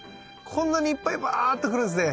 こんなにいっぱいバーッとくるんすね。